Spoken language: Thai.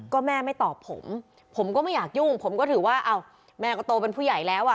ก็แม่ไม่ตอบผมผมก็ไม่อยากยุ่งผมก็ถือว่าอ้าวแม่ก็โตเป็นผู้ใหญ่แล้วอ่ะ